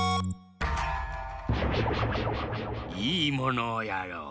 いいものをやろう。